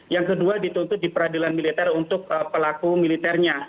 yang kedua dituntut di peradilan militer untuk pelaku militernya